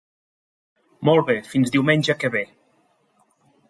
Molt bé; fins diumenge que ve.